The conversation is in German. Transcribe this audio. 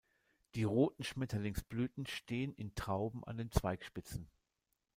Die roten Schmetterlingsblüten stehen in Trauben an den Zweigspitzen.